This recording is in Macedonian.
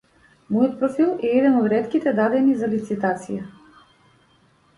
Мојот профил е еден од ретките дадени за лицитација.